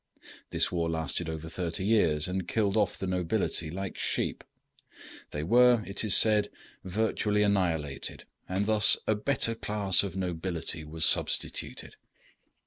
This war lasted over thirty years, and killed off the nobility like sheep. They were, it is said, virtually annihilated, and thus a better class of nobility was substituted.